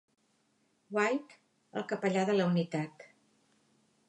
White, el capellà de la unitat.